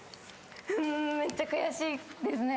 めっちゃ悔しいですね。